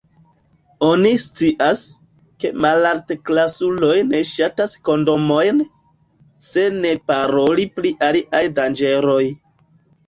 Oni scias, ke malaltklasuloj ne ŝatas kondomojn, se ne paroli pri aliaj danĝeroj.